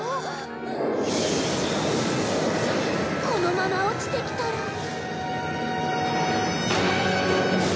このまま落ちてきたら。